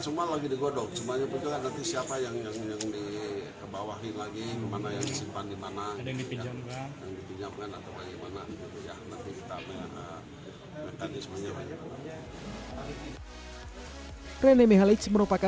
ya sekarang semua lagi digodok semuanya berdoa nanti siapa yang dibawahi lagi yang disimpan di mana yang dipinjamkan atau bagaimana gitu ya nanti kita mekanismenya